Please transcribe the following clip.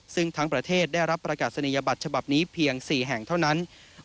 ซึ่งทั้งประเทศได้รับประกาศนียบัตรฉบับนี้เพียง๔แห่งเท่านั้น